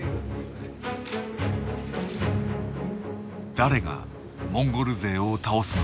誰がモンゴル勢を倒すのか。